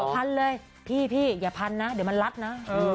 พันเลยพี่อย่าพันนะเดี๋ยวมันรัดนะ